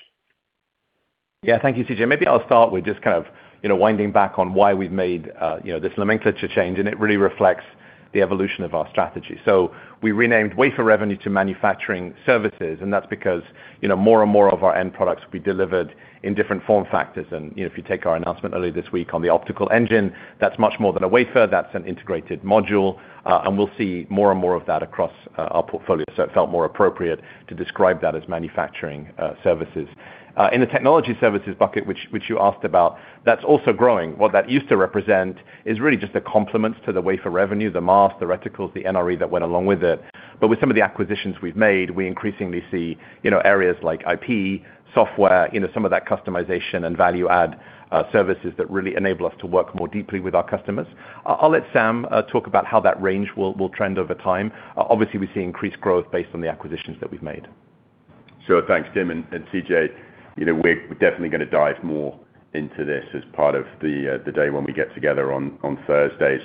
Yeah. Thank you, CJ. Maybe I'll start with just kind of, you know, winding back on why we've made, you know, this nomenclature change. It really reflects the evolution of our strategy. We renamed wafer revenue to manufacturing services. That's because, you know, more and more of our end products will be delivered in different form factors. You know, if you take our announcement earlier this week on the optical engine, that's much more than a wafer. That's an integrated module. We'll see more and more of that across our portfolio. It felt more appropriate to describe that as manufacturing services. In the technology services bucket which you asked about, that's also growing. What that used to represent is really just the complements to the wafer revenue, the masks, the reticles, the NRE that went along with it. With some of the acquisitions we've made, we increasingly see, you know, areas like IP, software, you know, some of that customization and value add services that really enable us to work more deeply with our customers. I'll let Sam talk about how that range will trend over time. Obviously we see increased growth based on the acquisitions that we've made. Sure. Thanks, Tim and CJ. You know, we're definitely gonna dive more into this as part of the day when we get together on Thursday.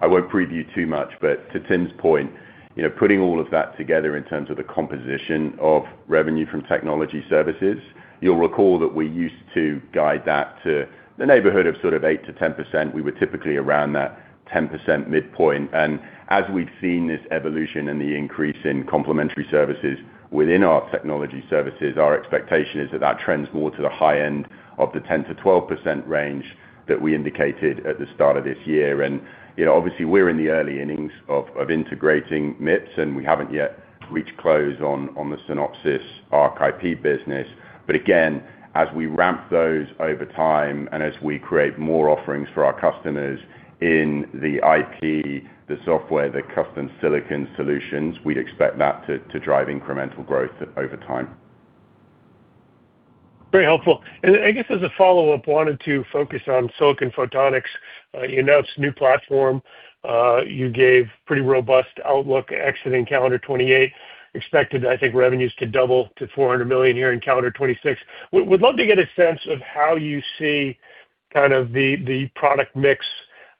I won't preview too much, but to Tim's point, you know, putting all of that together in terms of the composition of revenue from technology services, you'll recall that we used to guide that to the neighborhood of sort of 8%-10%. We were typically around that 10% midpoint. As we've seen this evolution and the increase in complementary services within our technology services, our expectation is that that trends more to the high end of the 10%-12% range that we indicated at the start of this year. You know, obviously we're in the early innings of integrating MIPS, and we haven't yet reached close on the Synopsys ARC IP business. Again, as we ramp those over time and as we create more offerings for our customers in the IP, the software, the custom silicon solutions, we'd expect that to drive incremental growth over time. Very helpful. I guess as a follow-up, wanted to focus on silicon photonics. You announced a new platform. You gave pretty robust outlook exiting calendar 2028. Expected, I think, revenues to double to $400 million here in calendar 2026. Would love to get a sense of how you see kind of the product mix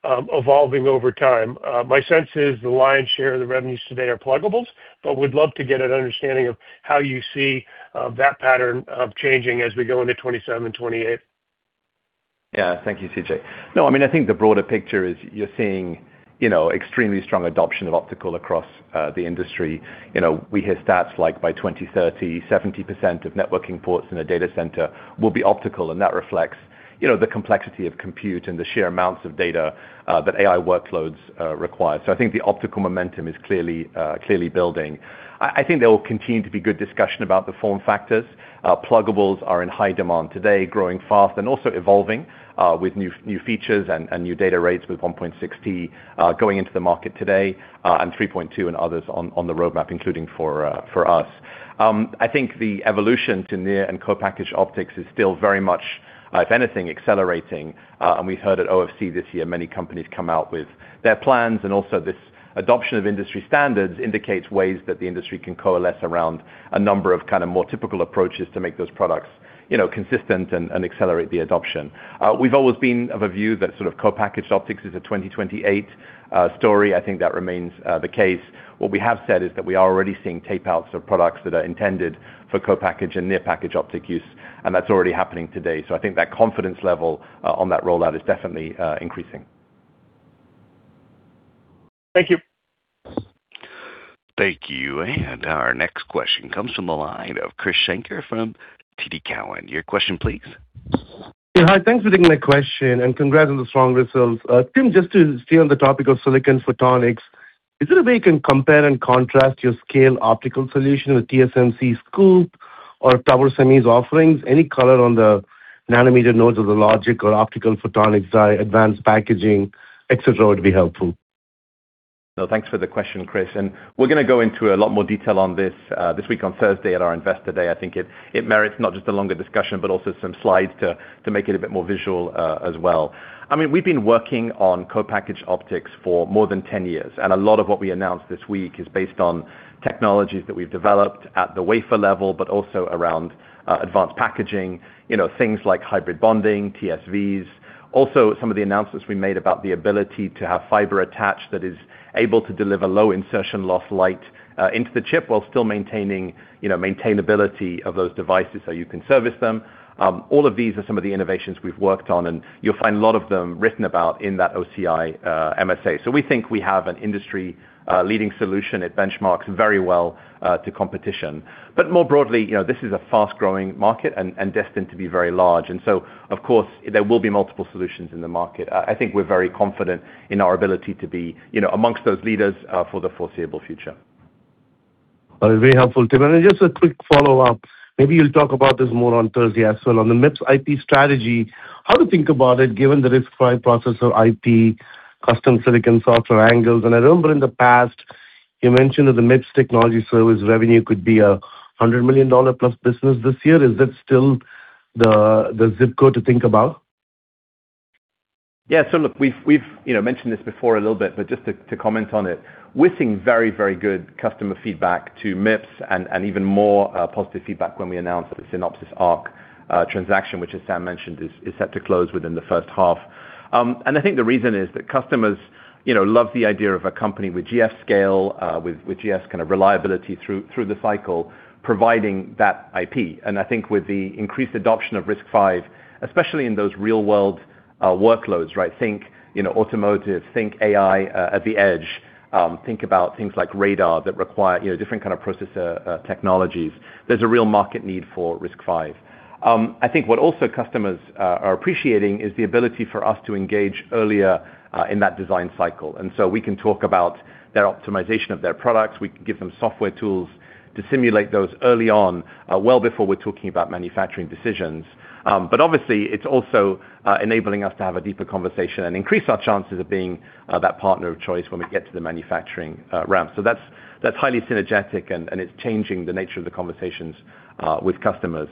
evolving over time. My sense is the lion's share of the revenues today are pluggables, but would love to get an understanding of how you see that pattern changing as we go into 2027, 2028. Yeah. Thank you, CJ. I mean, I think the broader picture is you know, extremely strong adoption of optical across the industry. You know, we hear stats like by 2030, 70% of networking ports in a data center will be optical, and that reflects, you know, the complexity of compute and the sheer amounts of data that AI workloads require. I think the optical momentum is clearly building. I think there will continue to be good discussion about the form factors. Pluggables are in high demand today, growing fast and also evolving with new features and new data rates with 1.6T going into the market today, and 3.2 and others on the roadmap, including for us. I think the evolution to near and co-packaged optics is still very much, if anything, accelerating. And we heard at OFC this year many companies come out with their plans, and also this adoption of industry standards indicates ways that the industry can coalesce around a number of kind of more typical approaches to make those products, you know, consistent and accelerate the adoption. We've always been of a view that sort of co-packaged optics is a 2028 story. I think that remains the case. What we have said is that we are already seeing tapeouts of products that are intended for co-package and near package optic use, and that's already happening today. I think that confidence level on that rollout is definitely increasing. Thank you. Thank you. Our next question comes from the line of Krish Sankar from TD Cowen. Your question please. Yeah, hi, thanks for taking my question, and congrats on the strong results. Tim, just to stay on the topic of silicon photonics, is there a way you can compare and contrast your SCALE optical solution with TSMC's COUPE or Tower Semiconductor's offerings? Any color on the nanometer nodes of the logic or optical photonics, advanced packaging, et cetera, would be helpful. No, thanks for the question, Krish. We're gonna go into a lot more detail on this this week on Thursday at our Investor Day. I think it merits not just a longer discussion, but also some slides to make it a bit more visual as well. I mean, we've been working on co-packaged optics for more than 10 years, and a lot of what we announced this week is based on technologies that we've developed at the wafer level, but also around advanced packaging, you know, things like hybrid bonding, TSVs. Some of the announcements we made about the ability to have fiber attached that is able to deliver low insertion loss light into the chip while still maintaining, you know, maintainability of those devices so you can service them. All of these are some of the innovations we've worked on, and you'll find a lot of them written about in that OCI MSA. We think we have an industry leading solution. It benchmarks very well to competition. More broadly, you know, this is a fast-growing market and destined to be very large. Of course, there will be multiple solutions in the market. I think we're very confident in our ability to be, you know, amongst those leaders for the foreseeable future. That was very helpful, Tim. Just a quick follow-up, maybe you'll talk about this more on Thursday as well. On the MIPS IP strategy, how do you think about it given the RISC-V processor IP, custom silicon software angles? I remember in the past you mentioned that the MIPS technology service revenue could be a $100 million plus business this year. Is that still the ZIP code to think about? Yeah. Look, we've, you know, mentioned this before a little bit, but just to comment on it, we're seeing very, very good customer feedback to MIPS and even more positive feedback when we announced the Synopsys ARC transaction, which as Sam mentioned, is set to close within the first half. I think the reason is that customers, you know, love the idea of a company with GF scale, with GF's kind of reliability through the cycle providing that IP. I think with the increased adoption of RISC-V, especially in those real world workloads, right? Think, you know, automotive, think AI at the edge, think about things like radar that require, you know, different kind of processor technologies. There's a real market need for RISC-V. I think what also customers are appreciating is the ability for us to engage earlier in that design cycle. We can talk about their optimization of their products. We can give them software tools to simulate those early on, well before we're talking about manufacturing decisions. It's also enabling us to have a deeper conversation and increase our chances of being that partner of choice when we get to the manufacturing ramp. That's highly synergetic and it's changing the nature of the conversations with customers.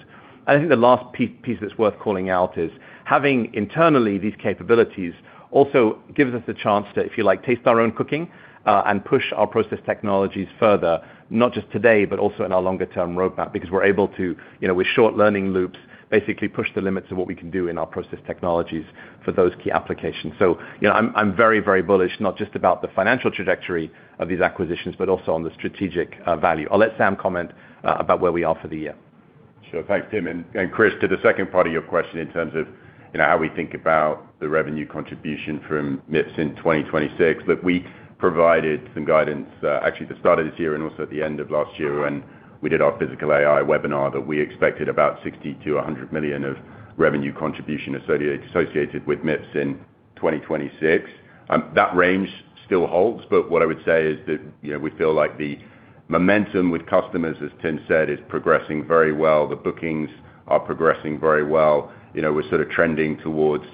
I think the last pie-piece that's worth calling out is having internally these capabilities also gives us a chance to, if you like, taste our own cooking, and push our process technologies further, not just today, but also in our longer term roadmap, because we're able to, you know, with short learning loops, basically push the limits of what we can do in our process technologies for those key applications. You know, I'm very, very bullish, not just about the financial trajectory of these acquisitions, but also on the strategic value. I'll let Sam comment about where we are for the year. Sure. Thanks, Tim. Krish, to the second part of your question in terms of, you know, how we think about the revenue contribution from MIPS in 2026. Look, we provided some guidance, actually at the start of this year and also at the end of last year when we did our physical AI webinar that we expected about $60 million-$100 million of revenue contribution associated with MIPS in 2026. That range still holds, what I would say is that, you know, we feel like the momentum with customers, as Tim said, is progressing very well. The bookings are progressing very well. You know, we're sort of trending towards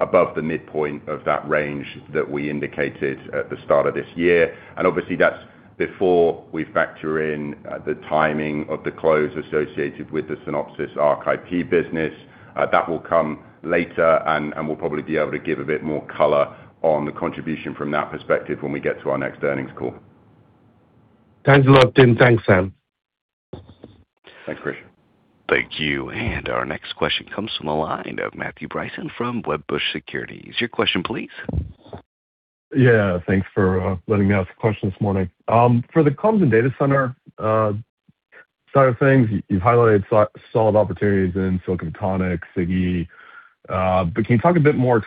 above the midpoint of that range that we indicated at the start of this year. Obviously, that's before we factor in the timing of the close associated with the Synopsys ARC IP business. That will come later, and we'll probably be able to give a bit more color on the contribution from that perspective when we get to our next earnings call. Thanks a lot, Tim. Thanks, Sam. Thanks, Krish. Thank you. Our next question comes from the line of Matthew Bryson from Wedbush Securities. Your question please. Yeah, thanks for letting me ask a question this morning. For the comms and data center side of things, you've highlighted solid opportunities in silicon photonics, SiGe. But can you talk a bit more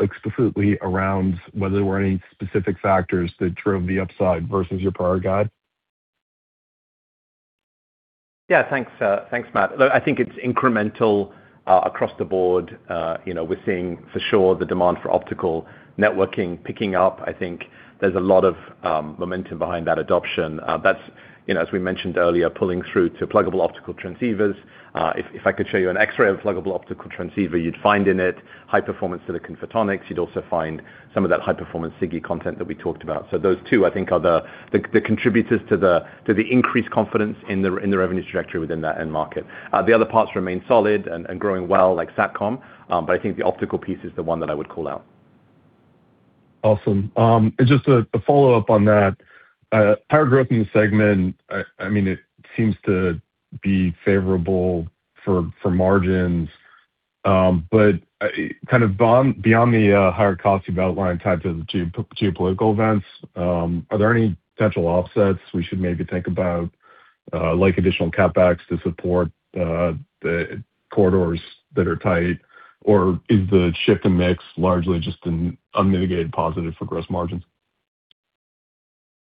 explicitly around whether there were any specific factors that drove the upside versus your prior guide? Thanks, Matt. Look, I think it's incremental across the board. You know, we're seeing for sure the demand for optical networking picking up. I think there's a lot of momentum behind that adoption. That's, you know, as we mentioned earlier, pulling through to pluggable optical transceivers. If I could show you an X-ray of a pluggable optical transceiver, you'd find in it high performance silicon photonics. You'd also find some of that high performance SiGe content that we talked about. Those two, I think, are the contributors to the increased confidence in the revenue trajectory within that end market. The other parts remain solid and growing well like Satcom. I think the optical piece is the one that I would call out. Awesome. Just a follow-up on that. Higher growth in the segment, I mean, it seems to be favorable for margins. Beyond the higher cost you've outlined tied to the geopolitical events, are there any potential offsets we should maybe think about, like additional CapEx to support the corridors that are tight? Is the shift in mix largely just an unmitigated positive for gross margins?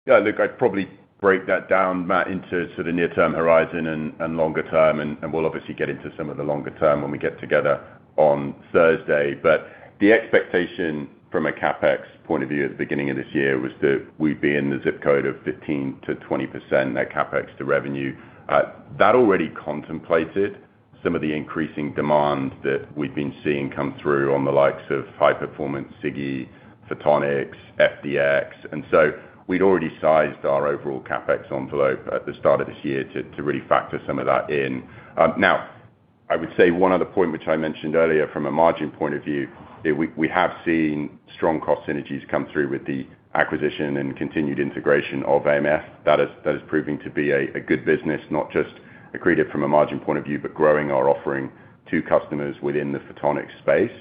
Yeah, look, I'd probably break that down, Matt, into sort of near-term horizon and longer term, and we'll obviously get into some of the longer term when we get together on Thursday. The expectation from a CapEx point of view at the beginning of this year was that we'd be in the zip code of 15%-20%, that CapEx to revenue. That already contemplated some of the increasing demand that we've been seeing come through on the likes of high-performance SiGe, photonics, FDX. We'd already sized our overall CapEx envelope at the start of this year to really factor some of that in. I would say one other point which I mentioned earlier from a margin point of view, we have seen strong cost synergies come through with the acquisition and continued integration of AMF. That is proving to be a good business, not just accreted from a margin point of view, but growing our offering to customers within the photonics space.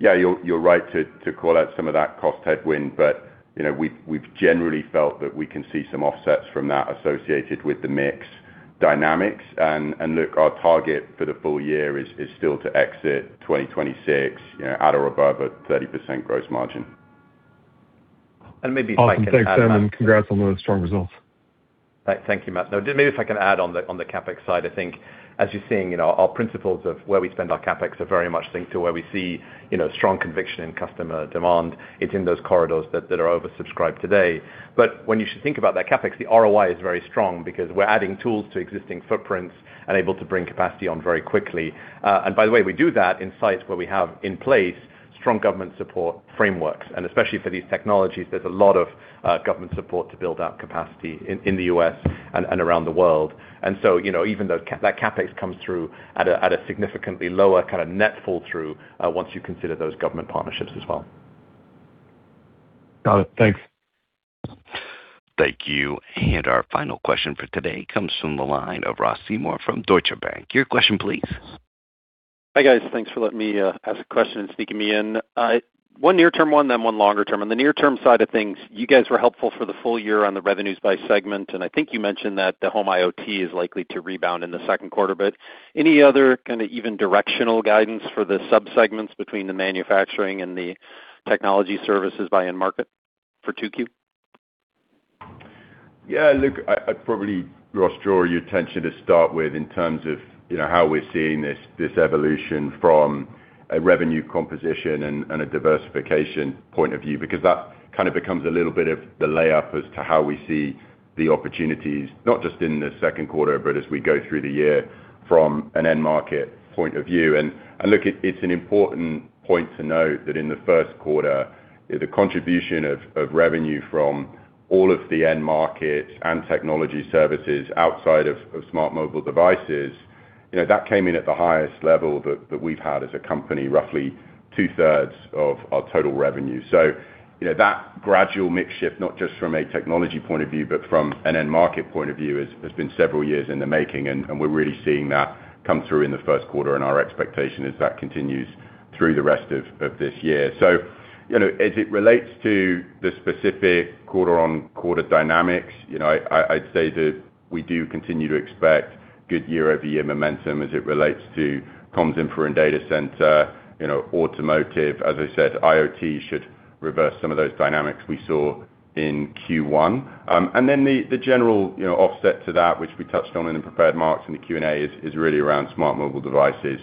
Yeah, you're right to call out some of that cost headwind, but, you know, we've generally felt that we can see some offsets from that associated with the mix dynamics. Look, our target for the full year is still to exit 2026, you know, at or above a 30% gross margin. Awesome. Thanks, Sam, and congrats on those strong results. Thank you, Matt. Maybe if I can add on the CapEx side, I think as you're seeing, you know, our principles of where we spend our CapEx are very much linked to where we see, you know, strong conviction in customer demand. It's in those corridors that are oversubscribed today. When you should think about that CapEx, the ROI is very strong because we're adding tools to existing footprints and able to bring capacity on very quickly. By the way, we do that in sites where we have in place strong government support frameworks. Especially for these technologies, there's a lot of government support to build out capacity in the U.S. and around the world. You know, even though that CapEx comes through at a, at a significantly lower kinda net pull-through, once you consider those government partnerships as well. Got it. Thanks. Thank you. Our final question for today comes from the line of Ross Seymore from Deutsche Bank. Your question please. Hi, guys. Thanks for letting me ask a question and sneaking me in. One near-term one longer term. On the near-term side of things, you guys were helpful for the full year on the revenues by segment. I think you mentioned that the home IoT is likely to rebound in the second quarter. Any other kind of even directional guidance for the sub-segments between the manufacturing and the technology services by end market for 2Q? Yeah. Look, I'd probably, Ross, draw your attention to start with in terms of, you know, how we're seeing this evolution from a revenue composition and a diversification point of view, because that kind of becomes a little bit of the layup as to how we see the opportunities, not just in the second quarter, but as we go through the year from an end market point of view. And look, it's an important point to note that in the first quarter, the contribution of revenue from all of the end markets and technology services outside of smart mobile devices, you know, that came in at the highest level that we've had as a company, roughly two-thirds of our total revenue. You know, that gradual mix shift, not just from a technology point of view, but from an end market point of view, has been several years in the making, and we're really seeing that come through in the first quarter, and our expectation is that continues through the rest of this year. You know, as it relates to the specific quarter-on-quarter dynamics, you know, I'd say that we do continue to expect good year-over-year momentum as it relates to comms, infra, and data center. You know, automotive, as I said, IoT should reverse some of those dynamics we saw in Q1. The general, you know, offset to that, which we touched on in the prepared remarks in the Q&A, is really around smart mobile devices,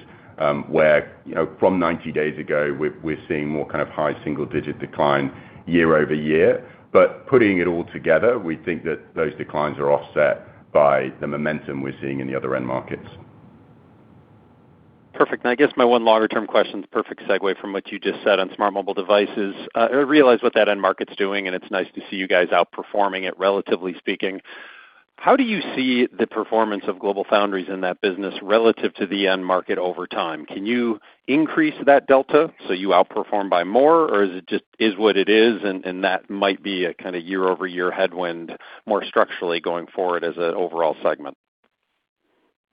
where, you know, from 90 days ago, we're seeing more kind of high single-digit decline year-over-year. Putting it all together, we think that those declines are offset by the momentum we're seeing in the other end markets. Perfect. I guess my one longer-term question is a perfect segue from what you just said on smart mobile devices. I realize what that end market's doing, it's nice to see you guys outperforming it, relatively speaking. How do you see the performance of GlobalFoundries in that business relative to the end market over time? Can you increase that delta so you outperform by more, or is it just is what it is and that might be a kind of year-over-year headwind more structurally going forward as an overall segment?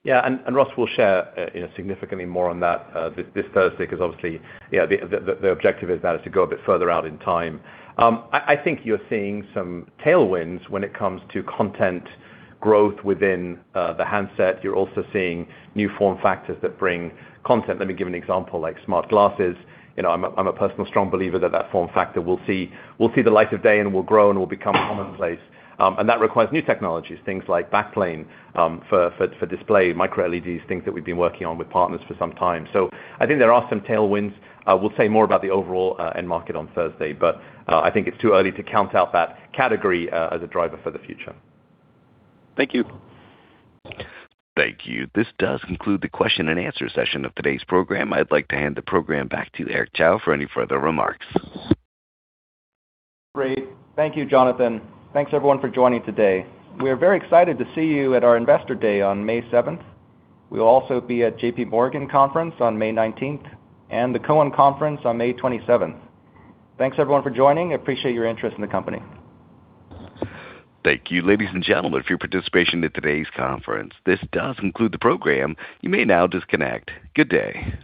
Ross, we'll share, you know, significantly more on that this Thursday, because obviously, you know, the objective is to go a bit further out in time. I think you're seeing some tailwinds when it comes to content growth within the handset. You're also seeing new form factors that bring content. Let me give an example, like smart glasses. You know, I'm a personal strong believer that form factor will see the light of day and will grow and will become commonplace. That requires new technologies, things like backplane for display, microLEDs, things that we've been working on with partners for some time. I think there are some tailwinds. We'll say more about the overall end market on Thursday, but I think it's too early to count out that category as a driver for the future. Thank you. Thank you. This does conclude the question and answer session of today's program. I'd like to hand the program back to Eric Chow for any further remarks. Great. Thank you, Jonathan. Thanks everyone for joining today. We are very excited to see you at our Investor Day on May seventh. We'll also be at JPMorgan Conference on May nineteenth and the Cowen Conference on May 27. Thanks everyone for joining. I appreciate your interest in the company. Thank you, ladies and gentlemen, for your participation in today's conference. This does conclude the program. You may now disconnect. Good day.